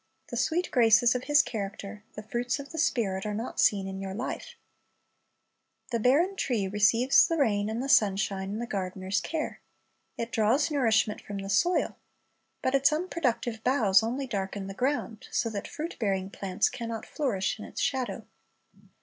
The sweet graces of His character, "the fruits of the Spirit," are not seen in your life. ^' Sparc It This Year Also" 217 The barren tree receives the rain and the sunshine and the gardener's care. It draws nourishment from the soil. But its unproductive boughs only darken the ground, so that fruit bearing plants can not flourish in its shadov